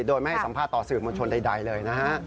โดยไม่ให้สัมภาษณ์ต่อสื่อมวลชนใดเลยนะฮะ